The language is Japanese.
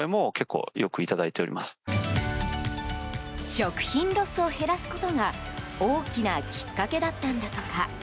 食品ロスを減らすことが大きなきっかけだったんだとか。